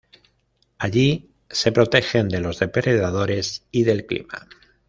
Allí se protegen de los depredadores y del clima.